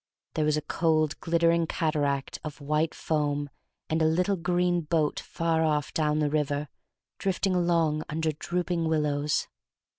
There was a cold, glittering cataract of white foam, and a little green boat far off down the river, drifting along under drooping willows.